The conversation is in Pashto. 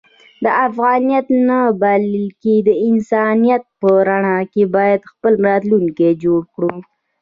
د افغانیت نه بلکې د انسانیت په رڼا کې باید خپل راتلونکی جوړ کړو.